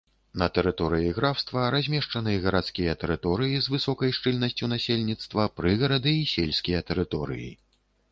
На тэрыторыі графства размешчаны гарадскія тэрыторыі з высокай шчыльнасцю насельніцтва, прыгарады і сельскія тэрыторыі.